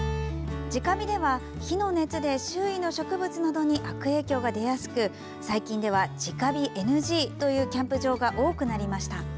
直火では、火の熱で周囲の植物などに悪影響が出やすく最近では直火ＮＧというキャンプ場が多くなりました。